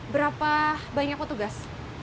berapa banyak kok tugas